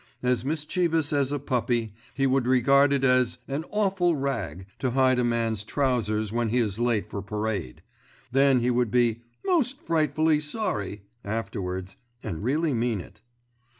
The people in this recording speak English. As mischievous as a puppy, he would regard it as an "awful rag" to hide a man's trousers when he is late for parade. Then he would be "most frightfully sorry" afterwards—and really mean it.